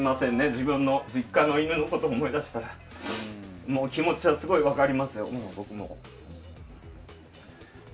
自分の実家の犬のことを思い出したら気持ちはすごい分かりますよ。